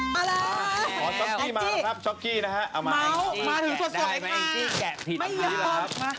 มาถึงส่วนส่วนอีกค่ะ